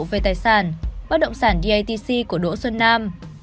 về tài sản bất động sản datc của đỗ xuân nam